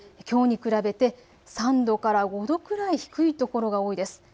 きょうに比べて３度から５度くらい低いところが多いです。